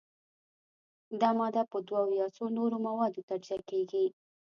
دا ماده په دوو یا څو نورو موادو تجزیه کیږي.